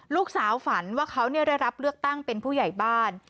ฝันว่าเขาได้รับเลือกตั้งเป็นผู้ใหญ่บ้าน